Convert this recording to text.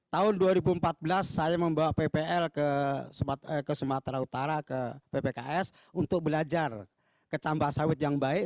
tahun dua ribu empat belas saya membawa ppl ke sumatera utara ke ppks untuk belajar ke campak sawit yang baik